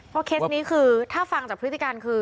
เพราะเคสนี้คือถ้าฟังจากพฤติการคือ